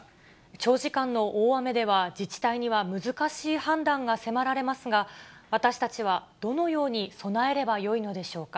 長時間の大雨では、自治体には難しい判断が迫られますが、私たちはどのように備えればよいのでしょうか。